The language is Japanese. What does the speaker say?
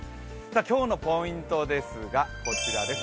今日のポイントですが、こちらです。